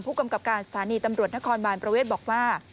ผู้กำกับการสถานีตำรวจนครบานประเวทบอกว่า